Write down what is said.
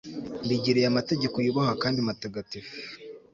mbigiriye amategeko yubahwa kandi matagatifu